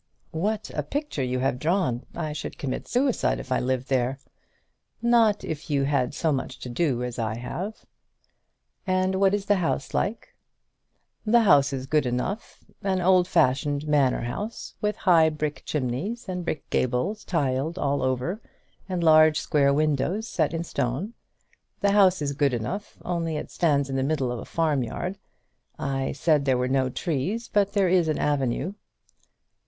"What a picture you have drawn! I should commit suicide if I lived there." "Not if you had so much to do as I have." "And what is the house like?" "The house is good enough, an old fashioned manor house, with high brick chimneys, and brick gables, tiled all over, and large square windows set in stone. The house is good enough, only it stands in the middle of a farm yard. I said there were no trees, but there is an avenue."